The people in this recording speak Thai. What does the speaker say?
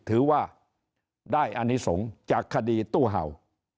ถือว่าได้อนิสงฆ์จากคดีตู้เห่า